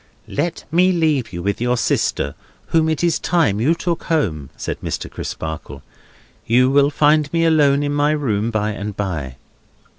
"Let me leave you with your sister, whom it is time you took home," said Mr. Crisparkle. "You will find me alone in my room by and by."